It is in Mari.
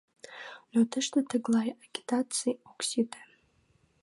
— Но тыште тыглай агитаций ок сите.